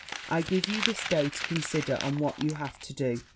I give you this day to consider on what you have to do.